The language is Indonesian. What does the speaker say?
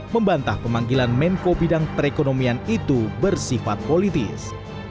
membantah pemanggilan menko bidang perekonomian itu bersifat politis